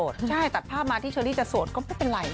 ใช่ตัดภาพมาที่เชอรี่จะโสดก็ไม่เป็นไร